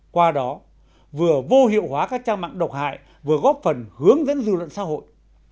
qua đó vừa vô hiệu hóa các trang mạng độc hại vừa góp phần hướng dẫn dư luận xã hội